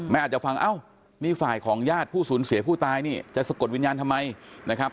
อาจจะฟังเอ้านี่ฝ่ายของญาติผู้สูญเสียผู้ตายนี่จะสะกดวิญญาณทำไมนะครับ